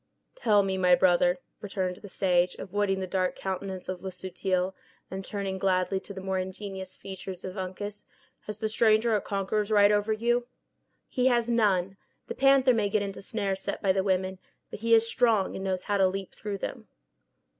"Tell me, son of my brother," returned the sage, avoiding the dark countenance of Le Subtil, and turning gladly to the more ingenuous features of Uncas, "has the stranger a conqueror's right over you?" "He has none. The panther may get into snares set by the women; but he is strong, and knows how to leap through them."